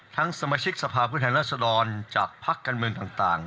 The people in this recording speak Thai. ทั้งสมาชิกสภาพฤทธิ์ราษฎรจากภักร์การเมืองต่าง